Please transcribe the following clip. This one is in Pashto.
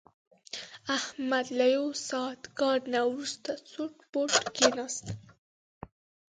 احمد له یو ساعت کار نه ورسته سوټ بوټ کېناست.